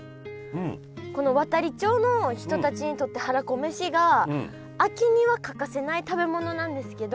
この亘理町の人たちにとってはらこめしが秋には欠かせない食べ物なんですけど。